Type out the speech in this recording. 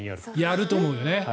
やると思うよね。